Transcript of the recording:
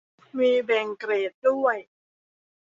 มีแบ่งเกรดด้วย